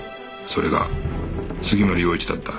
それが杉森陽一だった